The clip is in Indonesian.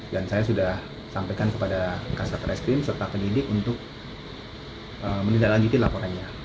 dan saya sudah sampaikan kepada kesatuan reskrim serta pendidik untuk menindaklanjuti laporannya